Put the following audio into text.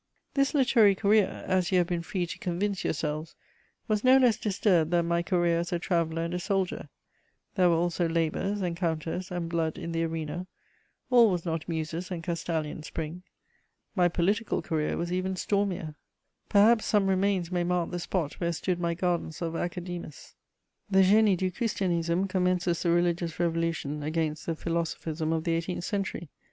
This literary career, as you have been free to convince yourselves, was no less disturbed than my career as a traveller and a soldier; there were also labours, encounters, and blood in the arena; all was not Muses and Castalian spring. My political career was even stormier. Perhaps some remains may mark the spot where stood my gardens of Academus. The Génie du Christianisme commences the religious revolution against the philosophism of the eighteenth century.